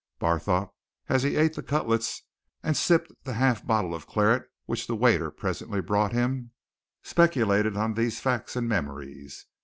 Barthorpe, as he ate the cutlets and sipped the half bottle of claret which the waiter presently brought him, speculated on these facts and memories.